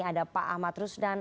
ada pak ahmad rusdan